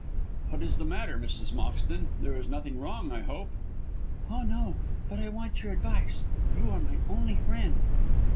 "What is the matter, Mrs. Moxton? There is nothing wrong, I hope." "Oh, no! but I want your advice. You are my only friend."